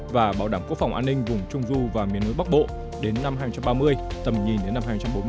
và bảo đảm quốc phòng an ninh vùng trung du và miền núi bắc bộ đến năm hai nghìn ba mươi tầm nhìn đến năm hai nghìn bốn mươi năm